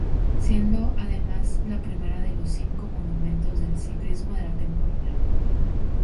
Siendo además la primera de los cinco monumentos del ciclismo de la temporada.